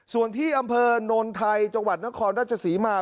ส่วนที่อำเภอนนท์ไทยกนครรัชสีมา